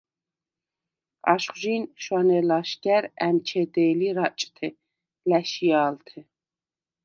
აშხვჟი̄ნ შვანე ლაშგა̈რ ა̈მჩედე̄ლი რაჭთე ლა̈შია̄ლთე.